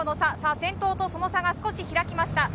先頭とその差が少し開きました。